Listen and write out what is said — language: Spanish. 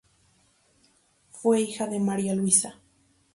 Fue hija de María Luisa.